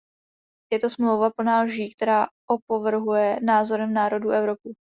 Je to smlouva plná lží, která opovrhuje názorem národů Evropy.